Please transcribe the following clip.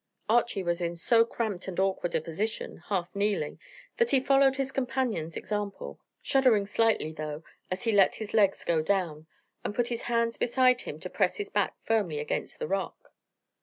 Archy was in so cramped and awkward a position, half kneeling, that he followed his companion's example, shuddering slightly, though, as he let his legs go down, and put his hands beside him to press his back firmly against the rock.